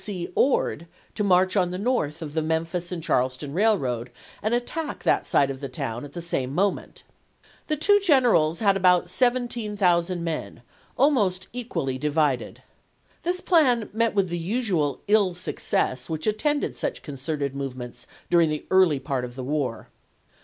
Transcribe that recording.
C. Ord to march on the north of the Memphis and Charleston railroad and attack that side of the town at the same moment. The two generals had about 17,000 men, almost equally divided. This plan met with the usual ill success which attended such con certed movements during the early part of the war.